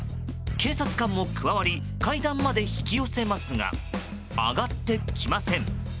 警察官も加わり階段まで引き寄せますが上がってきません。